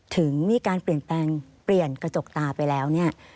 ถึงมีการเปลี่ยนกระจกตาไปแล้ว